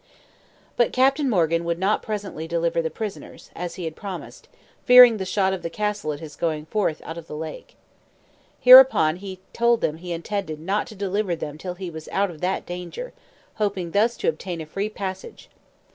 But Captain Morgan would not presently deliver the prisoners, as he had promised, fearing the shot of the castle at his going forth out of the lake. Hereupon he told them he intended not to deliver them till he was out of that danger, hoping thus to obtain a free passage.